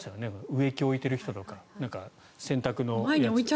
植木を置いている人とか洗濯のやつ。